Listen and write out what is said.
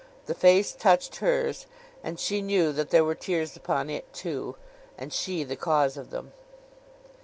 The face touched hers, and she knew that there were tears upon it too, and she the cause of them.